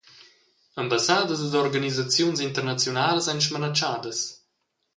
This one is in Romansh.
Ambassadas ed organisaziuns internaziunalas ein smanatschadas.